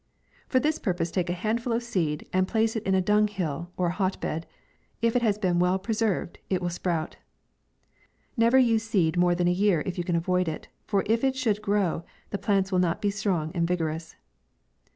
For this purpose take a handful of seed, and place it in a dung hill or hot bed, and in a few days, if it has been well preserv ed, it will sprout. Never use seed more than a year if you can avoid it, for if it should grow, the plants will not be strong and vigo rous.